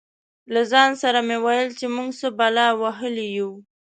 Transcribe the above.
له ځان سره مې ویل چې موږ څه بلا وهلي یو.